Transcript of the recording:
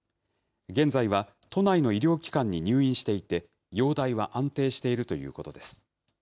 現在は都内の医療機関に入院していて、容体は安定しているということです。